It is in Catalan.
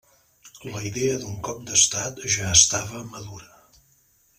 La idea d'un cop d'estat ja estava madura.